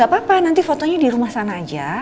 gak apa apa nanti fotonya di rumah sana aja